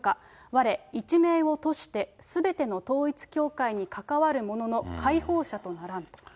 われ、一命をとしてすべての統一教会に関わるものの解放者とならんと。